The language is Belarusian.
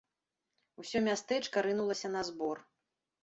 Усё мястэчка рынулася на збор.